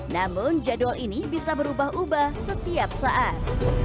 namun jadwal ini bisa berubah ubah setiap saat